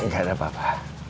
ga ada apa apa